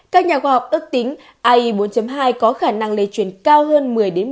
các nhà khoa học ước tính ay bốn hai có khả năng lây chuyển cao hơn một mươi một mươi năm